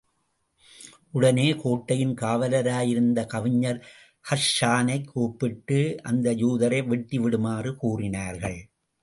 உடனே கோட்டையின் காவலராயிருந்த கவிஞர் ஹஸ்ஸானைக் கூப்பிட்டு, அந்த யூதரை வெட்டி விடுமாறு கூறினார்கள்.